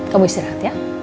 kamu istirahat ya